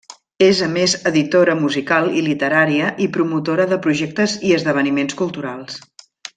És a més editora musical i literària i promotora de projectes i esdeveniments culturals.